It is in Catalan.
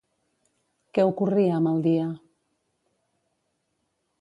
Què ocorria amb el dia?